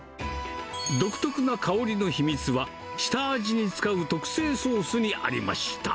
独特な香りの秘密は、下味に使う特製ソースにありました。